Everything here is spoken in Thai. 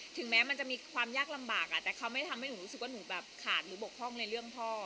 ถึงแม้มันจะมีความยากลำบากแต่เขาไม่ทำให้หนูรู้สึกว่าหนูแบบขาดหรือบกพร่องในเรื่องพ่อ